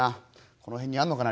この辺にあんのかな？